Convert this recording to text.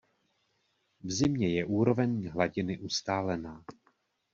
V zimě je úroveň hladiny ustálená.